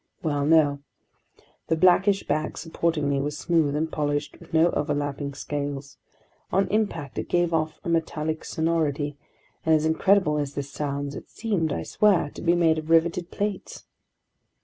Well, no. The blackish back supporting me was smooth and polished with no overlapping scales. On impact, it gave off a metallic sonority, and as incredible as this sounds, it seemed, I swear, to be made of riveted plates.